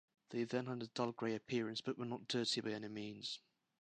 They then had a dull gray appearance but were not dirty by any means.